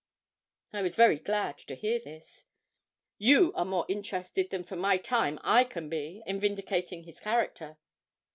I was very glad to hear this. 'You are more interested than for my time I can be, in vindicating his character.'